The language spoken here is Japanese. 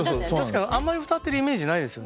確かにあんまり歌ってるイメージないですよね。